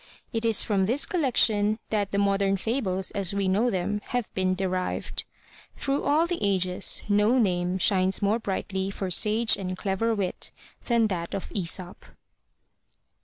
It is from this collection that the modern fables, as we know them, have been derived. Through all the ages no name shines more brightly for sage and clever wit than that of Aesop.